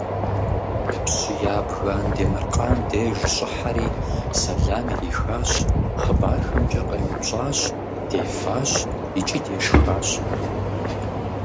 Пщы ябгэ Андемыркъан деж щӀыхьэри сэлам ирихащ хъыбархэмкӀэ къеупщӀащ дефащ икӀи дешхащ.